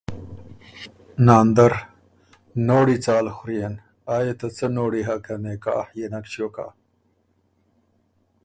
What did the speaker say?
ناندر: نوړي څال خوريېن، آ يې ته څۀ نوړی هۀ که نکاح يې نک ݭیوک هۀ